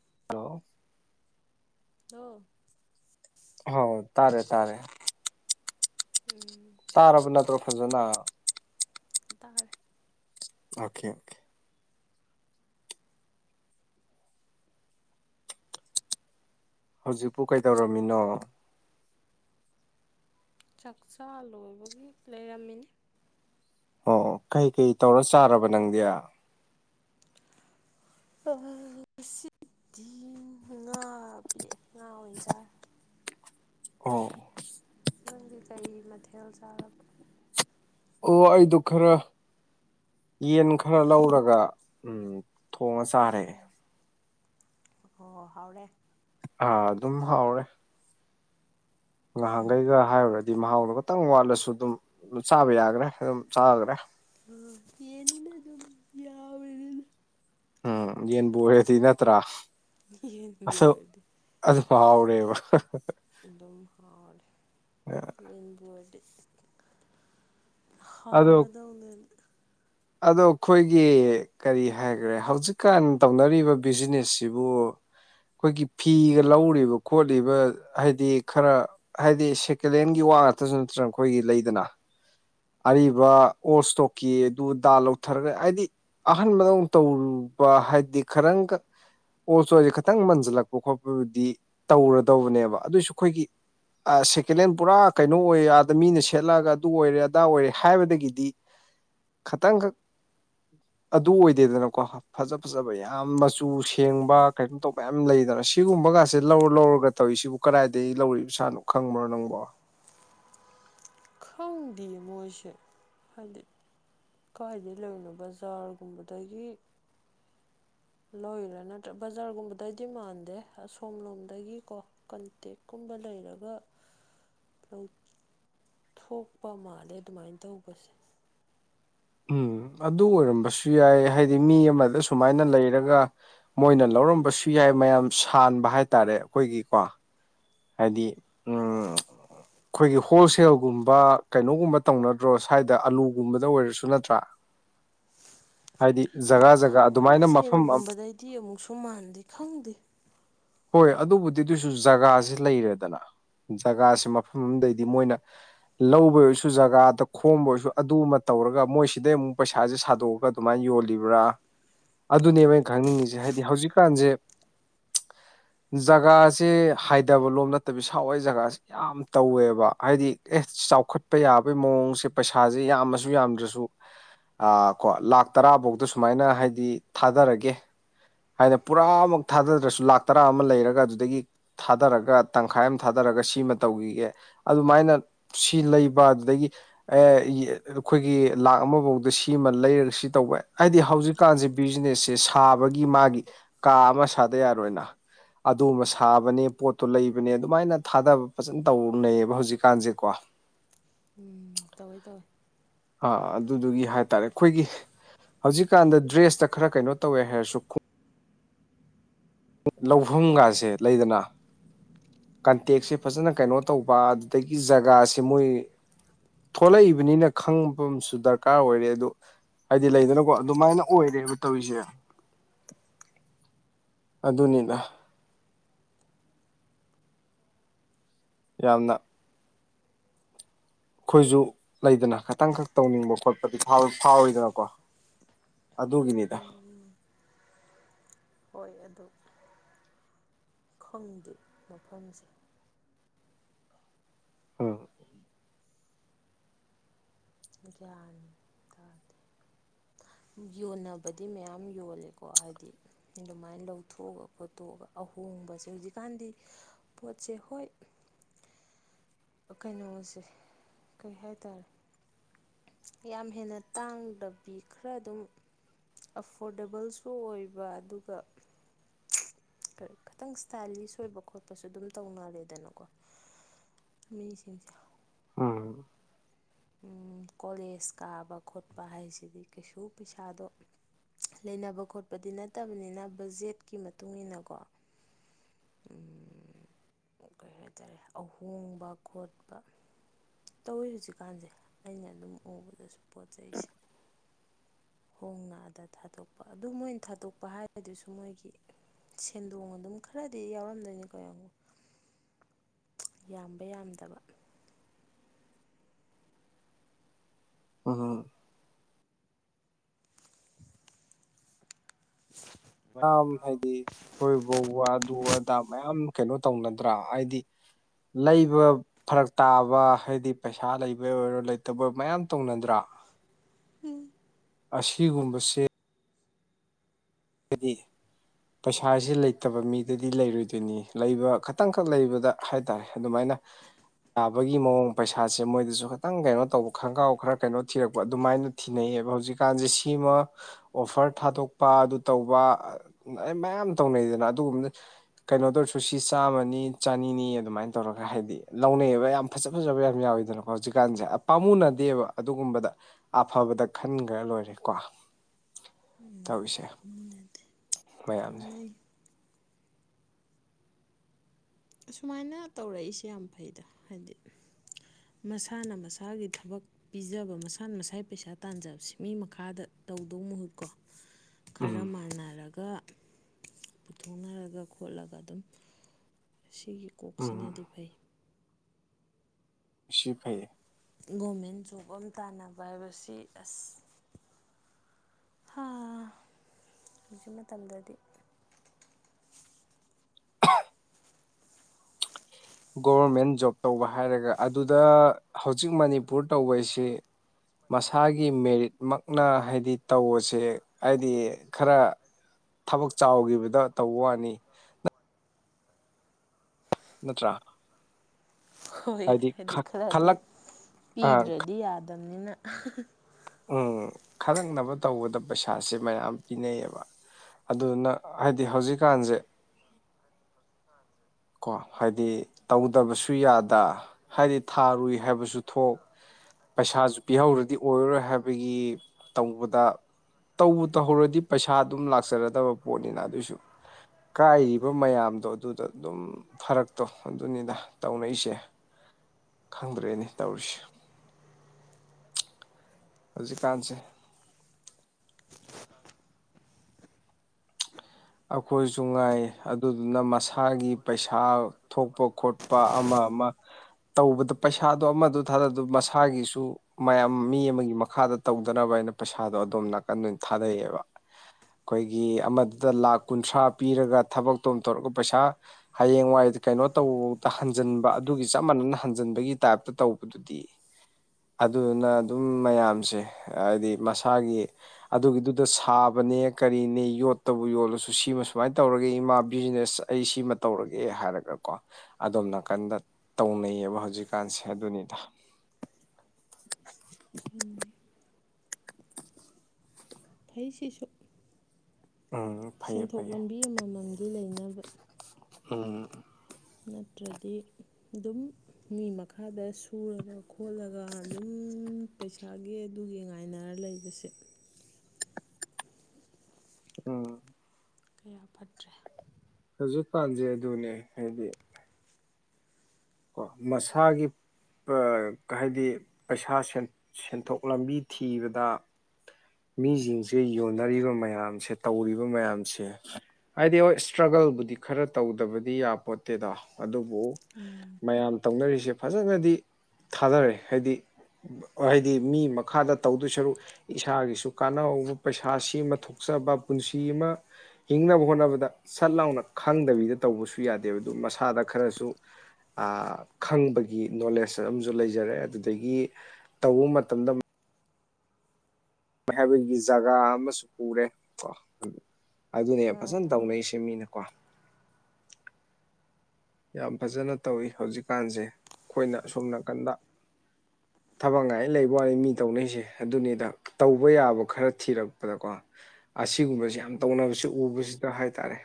[inaudible] [inaudible] ꯍꯥꯎ ꯇꯥꯔꯦ-ꯇꯥꯔꯦ꯫ ꯎꯝ꯫ ꯇꯥꯔꯕ ꯅꯠꯇ꯭ꯔꯣ ꯐꯖꯅ ꯇꯥꯔꯦ ꯑꯣꯀꯦ ꯑꯣꯀꯦ ꯍꯧꯖꯤꯛꯄꯨ ꯀꯩꯗꯧꯔꯝꯃꯤꯅꯣ ꯆꯥꯛꯆꯥ ꯂꯣꯏꯕꯒꯤ ꯂꯩꯔꯝꯃꯤꯅꯤ ꯑꯣ ꯑꯣ ꯀꯩꯀꯩ ꯇꯧꯔ ꯆꯥꯔꯕ ꯅꯪꯗꯤ ꯁꯤꯗꯤ ꯉꯥ ꯄꯤꯔꯦ ꯉꯥ ꯑꯣꯏꯖꯥꯔ ꯑꯣ ꯅꯪꯗꯤ ꯀꯩ ꯃꯊꯦꯜ ꯆꯥꯔꯕ ꯑꯣ ꯑꯩꯗꯨ ꯈꯔ ꯌꯦꯟ ꯈꯔ ꯂꯧꯔꯒꯥ ꯎꯝ ꯊꯣꯡꯑ ꯆꯥꯔꯦ꯫ ꯍꯣ ꯍꯣꯏ ꯍꯥꯎꯔꯦ꯫ ꯑꯥ ꯑꯗꯨꯝ ꯍꯥꯎꯔꯦ꯫ ꯉꯍꯥꯟꯈꯩꯒ ꯍꯥꯏꯔꯨꯔꯗꯤ ꯃꯍꯥꯎꯗꯣ ꯈꯇꯪ ꯋꯥꯠꯂꯁꯨ ꯑꯗꯨꯝ ꯆꯥꯕ ꯌꯥꯈ꯭ꯔꯦ ꯑꯗꯨꯝ ꯆꯥꯈ꯭ꯔꯦ꯫ [inaudible] ꯎꯝ ꯌꯦꯟꯕꯨ ꯑꫭꯏꯔꯗꯤ ꯅꯠꯇ꯭ꯔꯥ꯫ ꯌꯦꯟꯕꯨ ꯑꫭꯏꯔꯗꯤ꯫ ꯑꯗꯨ ꯍꯥꯎꯔꯦꯕ꯫ ꯑꯗꯨꯝ ꯍꯎꯔꯦ ꯌꯦꯟꯕꯨ ꯑꯣꯢꯔꯗꯤ ꯑꯗꯣ ꯍꯥꯎꯔꯗꯧꯅꯦ ꯑꯗꯣ ꯑꯩꯈꯣꯏꯒꯤ ꯀꯔꯤ ꯍꯥꯏꯈ꯭ꯔꯦ ꯍꯧꯖꯤꯛꯀꯥꯟ ꯇꯧꯅꯔꯤꯕ ꯕꯤꯖꯤꯅꯦꯁꯁꯤꯕꯨ ꯑꯩꯈꯣꯏꯒꯤ ꯐꯤꯒ ꯂꯧꯔꯤꯕ ꯈꯣꯠꯂꯤꯕ ꯍꯥꯏꯗꯤ ꯈꯔ ꯍꯥꯏꯗꯤ ꯁꯦꯀꯦꯟ ꯍꯦꯟꯒꯤ ꯋꯥ ꯉꯥꯛꯇ꯭ꯔꯁꯨ ꯅꯠꯇ꯭ꯔꯅ ꯑꯩꯈꯣꯏꯒꯤ ꯂꯩꯗꯅ ꯑꯔꯤꯕ ꯑꯣꯜꯁꯇꯣꯛꯀꯤ ꯑꯗꯨ ꯗꯥ ꯂꯧꯊꯔꯒ ꯍꯥꯏꯗꯤ ꯑꯍꯟꯗꯧ ꯇꯔꯨꯕ ꯍꯥꯏꯕꯗꯤ ꯈꯔꯪꯒ ꯑꯣꯁꯁꯦ ꯈꯤꯇꯪ ꯃꯟꯁꯤꯜꯂꯛꯄ ꯈꯣꯠꯄꯕꯨꯗꯤ ꯇꯧꯔꯗꯧꯕꯅꯦꯕ ꯑꯗꯨꯑꯣꯏꯁꯨ ꯑꯩꯈꯣꯏꯒꯤ ꯑꯥ ꯁꯦꯀꯦꯟ ꯍꯦꯟ ꯄꯨꯔꯥ ꯀꯩꯅꯣ ꯑꯣꯏ ꯑꯗ ꯃꯤꯅ ꯁꯦꯠꯂꯛꯑꯒ ꯑꯗꯨ ꯑꯣꯏꯔꯦ ꯑꯗꯥ ꯑꯣꯏꯔꯦ ꯍꯥꯏꯕꯗꯒꯤꯗꯤ ꯈꯇꯪꯈꯛ ꯑꯗꯨ ꯑꯣꯏꯗꯦꯗꯅꯀꯣ ꯐꯖ ꯐꯖꯕ ꯌꯥꯝ ꯃꯆꯨ ꯁꯦꯡꯕ ꯀꯔꯤꯒꯨꯝ ꯇꯧꯕ ꯌꯥꯝꯌꯥꯝ ꯂꯩꯗꯅ ꯁꯤꯒꯨꯝꯕꯒꯁꯦ ꯂꯧꯔ ꯂꯧꯔꯒ ꯇꯧꯏ ꯁꯤꯕꯨ ꯀꯗꯥꯏꯗꯒꯤ ꯂꯧꯔꯤꯕ ꯁꯥꯥꯅꯣ ꯈꯪꯕ꯭ꯔꯣ ꯅꯪꯕꯣ ꯈꯪꯗꯤꯌꯦ ꯃꯣꯏꯁꯦ ꯍꯥꯢꯗꯤ ꯀ꯭ꯋꯥꯏꯗꯒꯤ ꯂꯩꯣꯏꯅꯣ ꯕꯖꯥꯔꯒꯨꯝꯕꯗꯒꯤ [inaudible] ꯂꯣꯏꯔꯦ ꯅꯠꯇ꯭ꯔ ꯕꯖꯥꯔꯒꯨꯝꯕꯗꯩꯗꯤ ꯃꯥꯟꯗꯦ ꯑꯁꯣꯝ ꯂꯣꯝꯗꯒꯤꯀꯣ ꯀꯟꯇꯦꯛꯀꯨꯝꯕ ꯂꯩꯔꯒ ꯂꯧ ꯊꯣꯛꯄ ꯃꯥꯜꯂꯦ ꯑꯗꯨꯃꯥꯏꯅ ꯇꯧꯕꯁꯦ ꯎꯝ ꯑꯗꯨ ꯑꯣꯏꯔꯝꯕꯁꯨ ꯌꯥꯏ ꯍꯥꯏꯗꯤ ꯃꯤ ꯑꯃꯗ ꯁꯨꯃꯥꯏꯅ ꯂꯩꯔꯒ ꯃꯣꯏꯅ ꯂꯧꯔꯝꯕꯁꯨ ꯌꯥꯏ ꯃꯌꯥꯝ ꯁꯥꯟꯕ ꯍꯥꯏꯇꯥꯔꯦ ꯑꯩꯈꯣꯏꯒꯤꯀꯣ ꯍꯥꯏꯗꯤ ꯎꯝ ꯑꯩꯈꯣꯏꯒꯤ ꯍꯣꯜꯁꯦꯜꯒꯨꯝꯕ ꯀꯩꯅꯣꯒꯨꯝꯕ ꯇꯧꯅꯗ꯭ꯔꯣ ꯁ꯭ꯋꯥꯏꯗ ꯑꯂꯨꯒꯨꯝꯕꯗ ꯑꯣꯏꯔꯁꯨ ꯅꯠꯇ꯭ꯔꯥ ꯍꯥꯏꯗꯤ ꯖꯒꯥ ꯖꯒꯥ ꯑꯗꯨꯃꯥꯏꯅ ꯃꯐꯝ ꯍꯣꯜꯁꯦꯜꯒꯨꯝꯕꯗꯩꯗꯤ ꯑꯃꯨꯛꯁꯨ ꯃꯥꯟꯗꯦ ꯈꯪꯗꯦ ꯍꯣꯏ ꯑꯗꯨꯕꯨꯗꯤ ꯑꯗꯨꯁꯨ ꯖꯒꯥꯁꯤ ꯂꯩꯔꯦꯗꯅ ꯖꯒꯥꯁꯦ ꯃꯐꯝ ꯑꯗꯩꯗꯤ ꯃꯣꯏꯅ ꯂꯧꯕꯩ ꯑꯣꯏꯔꯁꯨ ꯖꯒꯥꯗ ꯈꯣꯝꯕ ꯑꯣꯏꯔꯁꯨ ꯑꯗꯨ ꯑꯃ ꯇꯧꯔꯒ ꯃꯣꯏ ꯁꯤꯗꯩ ꯑꯃꯨꯛ ꯄꯩꯁꯥꯁꯦ ꯁꯥꯗꯣꯛꯑꯒ ꯑꯗꯨꯃꯥꯏꯅ ꯌꯣꯜꯂꯤꯕ꯭ꯔꯥ ꯑꯗꯨꯅꯦꯕ ꯑꯩꯅ ꯈꯪꯅꯤꯡꯉꯤꯁꯦ ꯍꯥꯏꯗꯤ ꯍꯧꯖꯤꯛꯀꯥꯟꯁꯦ ꯖꯒꯥꯁꯦ ꯍꯥꯏꯗꯕ ꯂꯣꯝ ꯅꯠꯇꯕꯤ ꯁꯥꯋꯥꯏ ꯖꯒꯥꯁꯦ ꯌꯥꯝ ꯇꯧꯋꯦꯕ ꯍꯥꯏꯗꯤ ꯑꯦ ꯆꯥꯎꯈꯠꯄ ꯌꯥꯕꯒꯤ ꯃꯑꯣꯡꯁꯦ ꯄꯩꯁꯥꯁꯦ ꯌꯥꯝꯃꯁꯨ ꯌꯥꯝꯗ꯭ꯔꯁꯨ ꯑꯥ ꯀꯣ ꯂꯥꯛ ꯇꯔꯥꯐꯧꯗ ꯁꯨꯃꯥꯏꯅ ꯍꯥꯏꯗꯤ ꯊꯥꯗꯔꯒꯦ ꯍꯥꯏꯅ ꯄꯨꯔꯥ ꯑꯃꯨꯛ ꯊꯥꯗꯗ꯭ꯔꯁꯨ ꯂꯥꯛ ꯇꯔꯥ ꯑꯃ ꯂꯩꯔꯒ ꯑꯗꯨꯗꯒꯤ ꯊꯥꯗꯔꯒ ꯇꯪꯈꯥꯏ ꯑꯃ ꯊꯥꯗꯔꯒ ꯁꯤꯃ ꯇꯧꯈꯤꯒꯦ ꯑꯗꯨꯃꯥꯏꯅ ꯁꯤ ꯂꯩꯕ ꯑꯗꯨꯗꯒꯤ ꯑꯦ ꯑꯩꯈꯣꯏꯒꯤ ꯂꯥꯛ ꯑꯃꯐꯥꯎꯗ ꯁꯤꯃ ꯂꯩꯔꯒ ꯁꯤ ꯇꯧꯕ ꯍꯥꯏꯗꯤ ꯍꯧꯖꯤꯛ ꯍꯧꯖꯤꯛ ꯀꯥꯟꯁꯦ ꯕꯤꯖꯤꯅꯦꯁꯁꯦ ꯁꯥꯕꯒꯤ ꯃꯥꯒꯤ ꯀꯥ ꯑꯃ ꯁꯥꯗ ꯌꯥꯔꯣꯏꯅ ꯑꯗꯨꯒꯨꯝꯕ ꯁꯥꯕꯅꯦ ꯄꯣꯠꯇꯣ ꯂꯩꯕꯅꯦ ꯑꯗꯨꯃꯥꯏꯅ ꯊꯥꯗꯕ ꯐꯖꯅ ꯇꯧꯅꯩꯑꯌꯦꯕ ꯍꯧꯖꯤꯛꯀꯥꯟꯁꯦꯀꯣ ꯎꯝ ꯇꯧꯋꯦ ꯇꯧꯋꯦ ꯑꯥ ꯑꯗꯨꯗꯨꯒꯤ ꯍꯥꯏꯇꯥꯔꯦ ꯑꯩꯈꯣꯏꯒꯤ ꯍꯧꯖꯤꯛꯀꯥꯟꯗ ꯗ꯭ꯔꯦꯁꯇ ꯈꯔ ꯀꯩꯅꯣ ꯇꯧꯋꯦ ꯍꯥꯏꯔꯁꯨ ꯂꯧꯐꯝꯒꯥꯁꯦ ꯂꯩꯗꯅ ꯀꯟꯇꯦꯛꯁꯦ ꯐꯖꯅ ꯀꯩꯅꯣ ꯇꯧꯕ ꯑꯗꯨꯗꯒꯤ ꯖꯒꯥꯁꯦ ꯃꯣꯏ ꯊꯣꯛꯂꯛꯏꯕꯅꯤꯅ ꯈꯪꯕ ꯑꯃꯁꯨ ꯗꯔꯀꯥꯔ ꯑꯣꯏꯔꯦ ꯑꯗꯨ ꯍꯥꯏꯗꯤ ꯂꯩꯗꯅꯀꯣ ꯑꯗꯨꯃꯥꯏꯅ ꯑꯣꯏꯔꯦꯕ ꯇꯧꯔꯤꯁꯦ ꯑꯗꯨꯅꯤꯗ ꯌꯥꯝꯅ ꯑꯩꯈꯣꯏꯁꯨ ꯂꯩꯗꯅ ꯈꯤꯇꯪꯈꯛ ꯇꯧꯅꯤꯡꯕ ꯈꯣꯠꯄꯗꯤ ꯐꯥꯎꯋꯤꯗꯅꯀꯣ ꯑꯗꯨꯒꯤꯅꯤꯗ ꯍꯣꯏ ꯑꯗꯨ ꯈꯪꯗꯦ ꯃꯐꯝꯁꯦ [unintelligible] ꯒ꯭ꯌꯥꯟ ꯇꯗꯦ [inaudible] ꯌꯣꯟꯅꯕꯗꯤ ꯃꯌꯥꯝ ꯌꯣꯜꯂꯦꯀꯣ ꯍꯥꯏꯗꯤ ꯑꯗꯨꯃꯥꯏꯅ ꯂꯧꯊꯣꯛꯑꯒ ꯈꯣꯠꯇꯣꯛꯑꯒ ꯑꯍꯣꯡꯕꯁꯦ ꯍꯧꯖꯤꯛꯀꯥꯟꯗꯤ ꯄꯣꯠꯁꯦ ꯍꯣꯏ ꯀꯩꯅꯣꯁꯦ ꯀꯩ ꯍꯥꯏꯇꯥꯔꯦ ꯌꯥꯝ ꯍꯦꯟꯅ ꯇꯥꯡꯗꯕꯤ ꯈꯔ ꯑꯗꯨꯝ ꯑꯐꯣꯔꯗꯦꯕꯜꯁꯨ ꯑꯣꯏꯕ ꯑꯗꯨꯒ ꯈꯤꯇꯪ ꯏꯁꯇꯥꯏꯂꯤꯁ ꯑꯣꯏꯕ ꯈꯣꯠꯄꯁꯨ ꯑꯗꯨꯝ ꯇꯧꯅꯔꯦꯗꯅꯀꯣ ꯃꯤꯁꯤꯡꯁꯦ ꯎꯝ ꯎꯝ ꯀꯣꯂꯦꯖ ꯀꯥꯕ ꯈꯣꯠꯄ ꯍꯥꯏꯁꯤꯗꯤ ꯀꯩꯁꯨ ꯄꯩꯁꯥꯗꯣ ꯂꯩꯅꯕ ꯈꯣꯠꯄꯗꯤ ꯅꯠꯇꯕꯅꯤꯅ ꯕꯖꯦꯠꯀꯤ ꯃꯇꯨꯡ ꯏꯟꯅꯀꯣ ꯎꯝ ꯀꯩ ꯍꯥꯏꯇꯥꯔꯦ ꯑꯍꯣꯡꯕ ꯈꯣꯠꯄ ꯇꯧꯏꯤ ꯍꯧꯖꯤꯛꯀꯥꯟꯁꯦ ꯑꯩꯅ ꯑꯗꯨꯝ ꯎꯕꯗꯁꯨ ꯄꯣꯠ ꯆꯩꯩꯁꯦ ꯍꯣꯡꯅ ꯑꯥꯗ ꯊꯥꯗꯣꯛꯄ ꯑꯗꯨ ꯃꯣꯏꯅ ꯊꯥꯗꯣꯛꯄ ꯍꯥꯏꯗꯨꯁꯨ ꯃꯣꯏꯒꯤ ꯁꯦꯟꯗꯣꯡ ꯑꯗꯨꯝ ꯈꯔꯗꯤ ꯌꯥꯎꯔꯝꯗꯣꯏꯅꯤꯀꯣ ꯌꯦꯉꯣ ꯌꯥꯝꯕ ꯌꯥꯝꯗꯕ [unintelligible] ꯃꯌꯥꯝ ꯍꯥꯏꯗꯤ ꯑꯩꯈꯣꯏꯕꯧ ꯋꯥꯗꯨ ꯑꯗꯥ ꯃꯌꯥꯝ ꯀꯩꯅꯣ ꯇꯧꯅꯗ꯭ꯔꯥ ꯍꯥꯏꯗꯤ ꯂꯩꯕ ꯐꯔꯛ ꯇꯥꯕ ꯍꯥꯏꯗꯤ ꯄꯩꯁꯥ ꯂꯩꯕ ꯑꯣꯏꯔꯣ ꯂꯩꯇꯕ ꯑꯣꯏꯔꯣ ꯃꯌꯥꯝ ꯇꯧꯅꯗ꯭ꯔꯥ ꯎꯝ ꯑꯁꯤꯒꯨꯝꯕꯁꯦ [unintelligible] ꯄꯩꯁꯥꯁꯤ ꯂꯩꯇꯕ ꯃꯤꯗꯗꯤ ꯂꯩꯔꯣꯏꯗꯣꯏꯅꯤ ꯂꯩꯕ ꯈꯇꯪꯈꯛ ꯂꯩꯕꯗ ꯍꯥꯏ ꯇꯔꯦ ꯑꯗꯨꯃꯥꯏꯅ ꯌꯥꯥꯕꯒꯤ ꯃꯑꯣꯡ ꯄꯩꯁꯥꯁꯦ ꯃꯣꯏꯗꯁꯨ ꯈꯤꯇꯪ ꯀꯩꯅꯣ ꯇꯧꯕ ꯈꯣꯡꯒ꯭ꯔꯥꯎ ꯈꯔ ꯀꯩꯅꯣ ꯊꯤꯔꯛꯄ ꯑꯗꯨꯃꯥꯏꯅ ꯊꯤꯅꯩꯌꯦꯕ ꯍꯧꯖꯤꯛꯀꯥꯟꯁꯦ ꯁꯤꯃꯛ ꯑꯣꯐꯔ ꯊꯥꯗꯣꯛꯄ ꯑꯗꯨ ꯇꯧꯕ ꯑꯩ ꯃꯌꯥꯝ ꯇꯧꯅꯩꯗꯅ ꯑꯗꯨꯒꯨꯝꯕꯅ ꯀꯩꯅꯣꯗꯣ ꯁꯨꯁꯤ ꯆꯥꯝꯃꯅꯤ ꯆꯅꯤꯅꯤ ꯑꯗꯨꯃꯥꯏꯅ ꯇꯧꯔꯒ ꯍꯥꯏꯗꯤ ꯂꯧꯅꯩꯑꯌꯦꯕ ꯌꯥꯝ ꯐꯖ ꯐꯖꯕ ꯌꯥꯝ ꯌꯥꯎꯋꯤꯗꯅ ꯍꯧꯖꯤꯛꯀꯥꯟꯁꯦ ꯄꯥꯝꯃꯨꯅꯗꯦꯕ ꯑꯗꯨꯒꯨꯝꯕꯗ ꯑꯐꯕꯗ ꯈꯟꯈ꯭ꯔ ꯂꯣꯏꯔꯦ ꯀꯣ ꯇꯧꯔꯤꯁꯦ ꯃꯌꯥꯝꯖꯦ ꯂꯩ ꯑꯁꯨꯃꯥꯏꯅ ꯇꯧꯔꯛꯏꯁꯦ ꯌꯥꯝ ꯐꯩꯗ ꯍꯥꯏꯗꯤ ꯃꯁꯥꯅ ꯃꯁꯥꯒꯤ ꯊꯕꯛ ꯄꯤꯖꯕ ꯃꯁꯥꯅ ꯃꯁꯥꯒꯤ ꯄꯩꯁꯥ ꯇꯥꯟꯖꯁꯦ ꯃꯤ ꯃꯈꯥꯗ ꯇꯧꯗꯧ ꯃꯍꯨꯠꯀꯣ ꯈꯔ ꯎꯝ ꯃꯥꯟꯅꯔꯒ ꯄꯨꯊꯣꯛꯅꯔꯒ ꯈꯣꯠꯂꯒ ꯑꯗꯨꯝ ꯑꯁꯤꯒꯤ ꯎꯝ ꯀꯣꯛꯁꯤꯅꯗꯤ ꯐꯩ [inaudible] ꯒꯣꯔꯃꯦꯟ ꯖꯣꯕ ꯑꯃ ꯇꯥꯟꯅꯕ ꯍꯥꯏꯕꯁꯤ ꯑꯁ ꯍꯧꯖꯤꯛ ꯃꯇꯝꯗꯗꯤ [unintelligible] ꯒꯣꯕꯔꯃꯦꯟ ꯖꯣꯕ ꯇꯧꯕ ꯍꯥꯏꯔꯒ ꯑꯗꯨꯗ ꯍꯧꯖꯤꯛ ꯃꯅꯤꯄꯨꯔ ꯇꯧꯕꯁꯤ ꯃꯁꯥꯒꯤ ꯃꯦꯔꯤꯠꯃꯛꯅ ꯍꯥꯏꯗꯤ ꯇꯧꯕꯁꯦ ꯍꯥꯏꯗꯤ ꯈꯔ ꯊꯕꯛ ꯆꯥꯎꯈꯤꯕꯗ ꯇꯧꯕ ꯋꯥꯅꯤ ꯅꯠꯇ꯭ꯔꯥ ꯍꯣꯏ ꯍꯥꯏꯗꯤ ꯈꯔ ꯑꯗꯨꯝ ꯈꯜꯂꯛ ꯄꯤꯗ꯭ꯔꯗꯤ ꯌꯥꯗꯕꯅꯤꯅ ꯎꯝ ꯈꯜꯂꯛꯅꯕ ꯇꯧꯕꯗ ꯄꯩꯁꯥꯁꯦ ꯃꯌꯥꯝ ꯄꯤꯅꯩꯌꯦꯕ ꯑꯗꯨꯗꯨꯅ ꯍꯥꯏꯗꯤ ꯍꯧꯖꯤꯛꯀꯥꯟꯁꯦ ꯀꯣ ꯍꯥꯏꯗꯤ ꯇꯧꯗꯕꯁꯨ ꯌꯥꯗ ꯍꯥꯏꯗꯤ ꯊꯥꯔꯨꯏ ꯍꯥꯏꯕꯁꯨ ꯊꯣꯛ ꯄꯩꯁꯥꯁꯨ ꯄꯤꯍꯧꯔꯗꯤ ꯑꯣꯏꯔꯔꯣꯏ ꯍꯥꯏꯕꯒꯤ ꯇꯧꯕꯗ ꯇꯧꯕ ꯇꯧꯍꯧꯔꯗꯤ ꯄꯩꯁꯥ ꯑꯗꯨꯝ ꯂꯥꯛꯆꯔꯗꯕ ꯄꯣꯠꯅꯤꯅ ꯑꯗꯨꯏꯁꯨ ꯀꯥꯏꯔꯤꯕ ꯃꯌꯥꯝꯗꯣ ꯑꯗꯨꯗ ꯑꯗꯨꯝ ꯐꯔꯛꯇꯣ ꯑꯗꯨꯅꯤꯅ ꯇꯧꯅꯏꯁꯦ ꯈꯪꯗ꯭ꯔꯦꯅꯦ ꯇꯧꯔꯤꯁꯦ ꯍꯧꯖꯤꯛꯀꯥꯟꯁꯦ ꯑꯩꯈꯣꯏꯁꯨ ꯉꯥꯏ ꯑꯗꯨꯗꯨꯅ ꯃꯁꯥꯒꯤ ꯄꯩꯁꯥ ꯊꯣꯛꯄ ꯈꯣꯠꯄ ꯑꯃ ꯑꯃ ꯇꯧꯕꯗ ꯄꯩꯁꯥꯗꯣ ꯑꯃꯗ ꯊꯥꯔꯑ ꯑꯗꯨ ꯃꯁꯥꯒꯤꯁꯨ ꯃꯌꯥꯝ ꯃꯤ ꯑꯃꯒꯤ ꯃꯈꯥꯗ ꯇꯧꯗꯅꯕ ꯑꯩꯅ ꯄꯩꯁꯥꯗꯣ ꯑꯗꯣꯝ ꯅꯥꯀꯟꯗ ꯑꯣꯏꯅ ꯊꯥꯗꯩꯌꯦꯕ ꯑꯩꯈꯣꯏꯒꯤ ꯑꯃꯗꯨꯗ ꯂꯥꯈ ꯀꯨꯟꯊ꯭ꯔꯥ ꯄꯤꯔꯒ ꯊꯕ ꯇꯣꯝ ꯇꯧꯔꯒ ꯄꯩꯁꯥ ꯍꯌꯦꯡꯋꯥꯏ ꯀꯩꯅꯣ ꯇꯧꯕꯗ ꯍꯟꯖꯤꯟꯕ ꯑꯗꯨꯒꯤ ꯆꯞ ꯃꯥꯟꯅꯅ ꯍꯟꯖꯤꯟꯕꯒꯤ ꯇꯥꯏꯞꯇ ꯇꯧꯕꯗꯨ ꯑꯗꯨꯗꯤ ꯑꯗꯨꯗꯨꯅ ꯑꯗꯨꯝ ꯃꯌꯥꯝꯁꯦ ꯍꯥꯏꯗꯤ ꯃꯁꯥꯒꯤ ꯑꯗꯨꯒꯤꯗꯨꯗ ꯁꯥꯕꯅꯦ ꯀꯔꯤꯅꯦ ꯌꯣꯠ ꯇꯕꯨ ꯌꯣꯜꯂꯁꯨ ꯁꯤꯃ ꯁꯨꯃꯥꯏꯅ ꯇꯧꯔꯒꯦ ꯏꯃꯥ ꯕꯤꯖꯤꯅꯦꯁ ꯑꯩ ꯁꯤꯃ ꯇꯧꯔꯒꯦ ꯍꯥꯏꯔꯒ ꯀꯣ ꯑꯗꯣꯝ ꯅꯥꯀꯟꯗ ꯇꯧꯅꯩꯌꯦꯕ ꯍꯧꯖꯤꯛꯀꯥꯟꯁꯦ ꯑꯗꯨꯅꯤꯗ [inaudible] ꯐꯩ ꯁꯤꯦꯁꯨ ꯎꯝ ꯐꯩꯌꯦ ꯁꯦꯟꯊꯣꯛ ꯂꯝꯕꯤ ꯑꯃꯃꯝꯗꯤ ꯂꯩꯅꯕ ꯎꯝ ꯅꯠꯇ꯭ꯔꯗꯤ ꯑꯗꯨꯝ ꯃꯤ ꯃꯈꯥꯗ ꯁꯨꯔꯒ ꯈꯣꯠꯂꯒ ꯑꯗꯨꯝ ꯄꯩꯁꯥꯒꯤ ꯑꯗꯨꯒꯤ ꯉꯥꯏꯅꯔ ꯂꯩ [unintelligible] ꯎꯝ ꯀꯌꯥ ꯐꯠꯇ꯭ꯔꯦ ꯍꯧꯖꯤꯛ ꯀꯥꯟꯖꯦ ꯑꯗꯨꯅꯦ ꯍꯥꯏꯗꯤ ꯀꯣ ꯃꯁꯥꯒꯤ ꯍꯥꯏꯗꯤ ꯄꯩꯁꯥ ꯁꯦꯟꯊꯣꯛ ꯂꯝꯕꯤ ꯊꯤꯕꯗ ꯃꯤꯁꯤꯡꯁꯦ ꯌꯣꯟꯅꯔꯤꯕ ꯃꯌꯥꯝꯁꯦ ꯇꯧꯔꯤꯕ ꯃꯌꯥꯝꯁꯦ ꯍꯥꯏꯗꯤ ꯍꯣꯏ ꯁꯇ꯭ꯔꯒꯜꯕꯨꯗꯤ ꯈꯔ ꯇꯧꯗꯕꯗꯤ ꯌꯥꯄꯣꯠꯇꯦꯗ ꯑꯗꯨꯕꯨ ꯎꯝ ꯃꯌꯥꯝ ꯇꯧꯅꯔꯤꯁꯦ ꯐꯖꯅꯗꯤ ꯊꯥꯗꯔꯦ ꯍꯥꯏꯗꯤ ꯍꯥꯏꯗꯤ ꯃꯤ ꯃꯈꯥꯗ ꯇꯧꯗꯨ ꯁꯔꯨꯛ ꯏꯁꯥꯒꯤꯁꯨ ꯀꯥꯟꯅꯧꯕ ꯄꯩꯁꯥ ꯁꯦꯝꯃ ꯊꯣꯛꯆꯕ ꯄꯨꯟꯁꯤ ꯑꯃ ꯍꯤꯡꯅꯕ ꯍꯣꯠꯅꯕꯗ ꯁꯠ ꯂꯥꯎꯅ ꯈꯪꯗꯕꯤꯗ ꯇꯧꯕꯁꯨ ꯌꯥꯗꯦꯕ ꯑꯗꯨ ꯃꯁꯥꯗ ꯈꯔꯁꯨ ꯑꯥ ꯈꯪꯕꯒꯤ ꯅꯣꯂꯦꯖ ꯑꯃꯁꯝꯨ ꯂꯩꯖꯔꯦ ꯑꯗꯨꯗꯒꯤ ꯇꯧꯕ ꯃꯇꯝꯗꯥ ꯍꯥꯏꯕꯒꯤ ꯖꯒꯥ ꯑꯃꯁꯨ ꯄꯨꯔꯦ ꯀꯣ ꯎꯝ ꯑꯗꯨꯅꯦ ꯐꯖꯟ ꯇꯧꯅꯩꯁꯦ ꯃꯤꯅꯥꯀꯣ ꯌꯥꯝ ꯐꯖꯅ ꯇꯧꯋꯤ ꯍꯧꯖꯤꯛꯀꯥꯟꯁꯦ ꯑꯩꯈꯣꯏꯅ ꯑꯁꯣꯝ ꯅꯥꯀꯟꯗ ꯊꯕꯛ ꯉꯥꯏ ꯂꯩꯕ ꯋꯥꯅꯤ ꯃꯤ ꯇꯧꯅꯔꯤꯁꯦ ꯑꯗꯨꯅꯤꯗ ꯇꯧꯕ ꯌꯥꯕ ꯈꯔ ꯊꯤꯔꯛꯄꯗꯀꯣ ꯑꯁꯤꯒꯨꯝꯕꯁꯤ ꯌꯥꯝ ꯇꯧꯅꯕꯁꯤ ꯎꯕꯁꯤꯗ ꯍꯥꯏꯇꯥꯔꯦ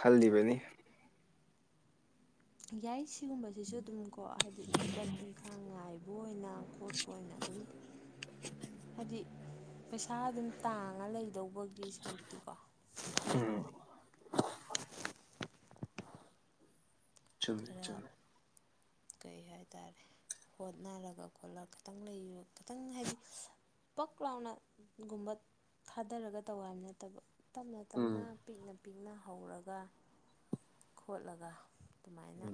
ꯈꯜꯂꯤꯕꯅꯤ ꯌꯥꯏ ꯁꯤꯒꯨꯝꯕꯁꯤꯁꯨ ꯑꯗꯨꯝ ꯀꯣ ꯍꯥꯏꯗꯤ ꯊꯕꯛ ꯏꯪꯈꯥꯡ ꯉꯥꯏꯕ ꯑꯣꯏꯅ ꯀꯣꯠ ꯐꯅꯥ ꯑꯗꯨ ꯍꯥꯏꯗꯤ ꯄꯩꯁꯥ ꯑꯗꯨꯝ ꯇꯥꯡꯉ ꯂꯩꯗꯧꯕꯒꯤ ꯁꯔꯨꯛꯇꯤꯀꯣ ꯎꯝ ꯆꯨꯝꯃꯦ ꯈꯔ ꯆꯨꯝꯃꯦ ꯀꯩ ꯍꯥꯏꯇꯥꯔꯦ ꯍꯣꯠꯅꯔꯒ ꯈꯣꯠꯂꯒ ꯈꯤꯇꯪ ꯂꯩꯌ ꯈꯤꯇꯪ ꯍꯥꯏꯗꯤ ꯄꯛ ꯂꯥꯎꯅ ꯒꯨꯝꯕ ꯊꯥꯗꯔꯒ ꯇꯧ ꯍꯥꯏꯕ ꯅꯠꯇꯕ ꯇꯞꯅ ꯇꯞꯅ ꯎꯝ ꯄꯤꯛꯅ ꯄꯤꯛꯅ ꯍꯧꯔꯒ ꯈꯣꯠꯂꯒ ꯑꯗꯨꯃꯥꯏꯅ